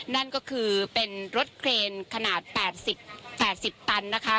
นั่นก็คือเป็นรถเครนขนาด๘๐๘๐ตันนะคะ